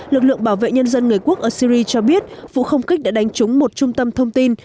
lực lượng bảo vệ nhân dân người quốc ở syri cho biết vụ không kích đã đánh trúng một trung tâm thông tin